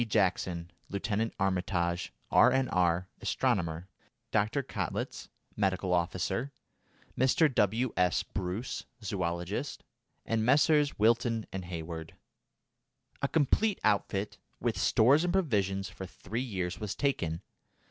Jackson; Lieutenant Armitage, R.N.R., astronomer; Dr. Kottlitz, medical officer; Mr. W. S. Bruce, zoologist; and Messrs. Wilton and Heywood. A complete outfit, with stores and provisions for three years was taken.